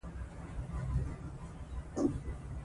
په افغانستان کې د کندز سیند لپاره شرایط مناسب دي.